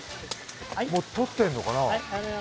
もう採ってるのかな？